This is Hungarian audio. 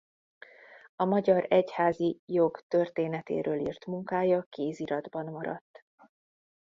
A magyar egyházi jog történetéről írt munkája kéziratban maradt.